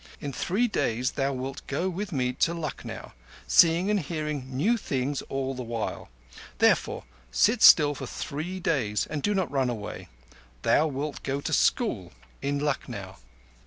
"In three days thou wilt go with me to Lucknow, seeing and hearing new things all the while. Therefore sit still for three days and do not run away. Thou wilt go to school at Lucknow."